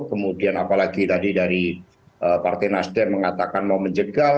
kemudian apalagi tadi dari partai nasdem mengatakan mau menjegal